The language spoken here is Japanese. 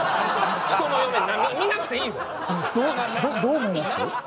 ひとの嫁に見なくていいもうどどう思います？